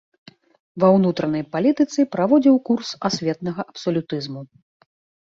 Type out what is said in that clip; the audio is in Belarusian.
Ва ўнутранай палітыцы праводзіў курс асветнага абсалютызму.